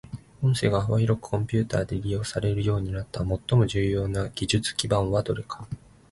音声が幅広くコンピュータで利用されるようになった最も重要な技術基盤はどれか。